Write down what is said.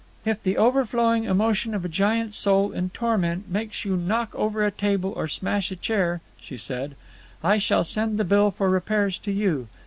"If the overflowing emotion of a giant soul in torment makes you knock over a table or smash a chair," she said, "I shall send the bill for repairs to you.